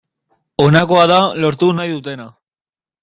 Honakoa da lortu nahi dutena.